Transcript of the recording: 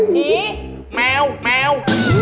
นี้แมว